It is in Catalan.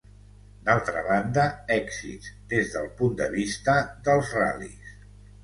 D'altra banda, èxits des del punt de vista dels ral·lis.